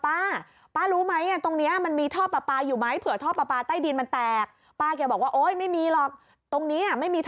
ป้าป้ารู้ไหมตรงนี้มันมีท่อปลาปลาอยู่ไหม